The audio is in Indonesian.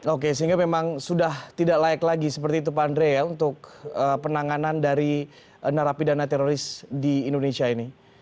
oke sehingga memang sudah tidak layak lagi seperti itu pak andre ya untuk penanganan dari narapidana teroris di indonesia ini